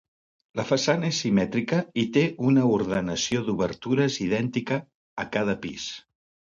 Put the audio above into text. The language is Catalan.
La façana és simètrica i té una ordenació d'obertures idèntica a cada pis.